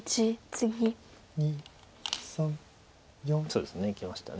そうですねいきました